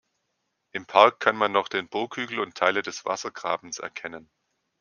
Im Park kann man noch den Burghügel und Teile des Wassergrabens erkennen.